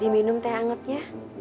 diminum teh anget ya